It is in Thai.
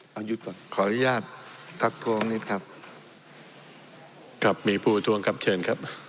ขออนุญาตทักทวงนิดครับกับมีภูทวงครับเชิญครับ